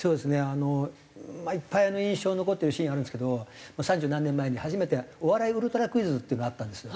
あのまあいっぱい印象に残ってるシーンあるんですけど三十何年前に初めて『お笑いウルトラクイズ！！』っていうのがあったんですよ。